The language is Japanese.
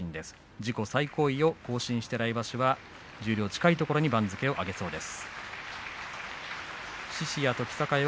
自己最高位を更新して来場所は十両、近いところに番付を上げそうです。